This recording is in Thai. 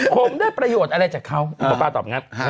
ผมได้ประโยชน์อะไรจากเขาอุปป้าตอบอย่างนั้น